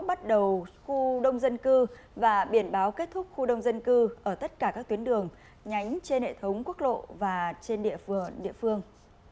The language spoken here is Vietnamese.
bắt đầu khu đông dân cư và biển báo kết thúc khu đông dân cư ở tất cả các tuyến đường nhánh trên hệ thống quốc lộ và trên địa phường địa phương